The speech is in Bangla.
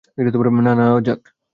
না যাওয়া যাক।